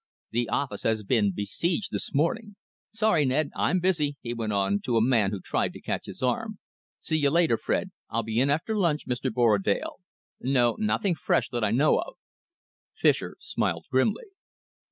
The office has been besieged this morning. Sorry, Ned, I'm busy," he went on, to a man who tried to catch his arm. "See you later, Fred. I'll be in after lunch, Mr. Borrodaile. No, nothing fresh that I know of." Fischer smiled grimly.